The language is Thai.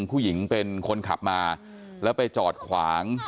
ผู้หญิงเป็นคนขับมาแล้วไปจอดขวาง